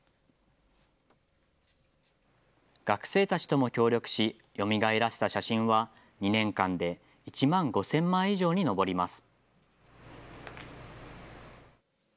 学生たちとも協力し、よみがえらせた写真は２年間で１万５０００枚以上に上ります。